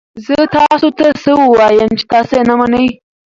زه تاسو ته څه ووایم چې تاسو یې نه منئ؟